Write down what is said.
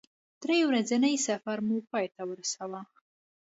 درې ورځنی سفر مو پای ته ورساوه.